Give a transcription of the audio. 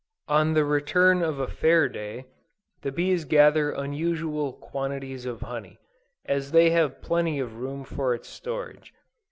On the return of a fair day, the bees gather unusual quantities of honey, as they have plenty of room for its storage.